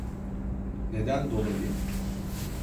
Neden dolayı?